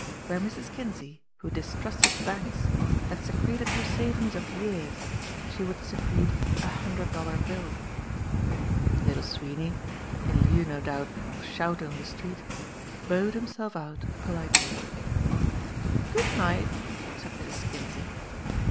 Where Mrs. Kinsey, who distrusted banks, had secreted her savings of years, she would secret a hundred dollar bill. Little Sweeney in lieu, no doubt, of shouting on the street bowed himself out politely. "Good night," said Mrs. Kinsey.